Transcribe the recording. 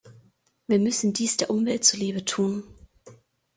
Wir müssen dies der Umwelt zuliebe tun.